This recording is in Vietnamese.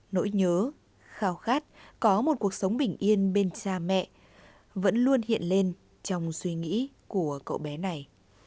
nỗi nhớ khao khát có một cuộc sống bình yên bên cha mẹ vẫn luôn hiện lên trong suy nghĩ của cậu bé này